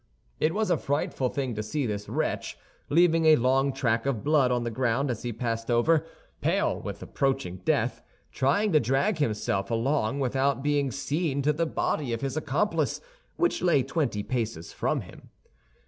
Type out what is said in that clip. It was a frightful thing to see this wretch, leaving a long track of blood on the ground he passed over, pale with approaching death, trying to drag himself along without being seen to the body of his accomplice, which lay twenty paces from him.